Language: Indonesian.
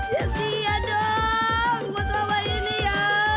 ya ya sih ya dong buat lama ini ya